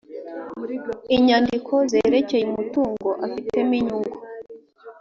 inyandiko zerekeye umutungo afitemo inyungu